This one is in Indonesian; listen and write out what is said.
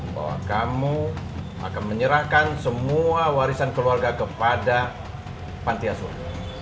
bahwa kamu akan menyerahkan semua warisan keluarga kepada pantiasura